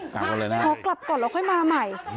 ขอกลับก่อนแล้วค่อยมาใหม่